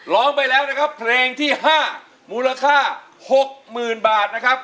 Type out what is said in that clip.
ร้องไปแล้วนะครับเพลงที่๕มูลค่า๖๐๐๐บาทนะครับ